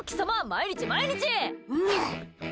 毎日毎日！